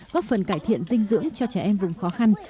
góp phần cải thiện dinh dưỡng cho trẻ em vùng khó khăn